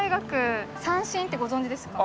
三線ってご存じですか？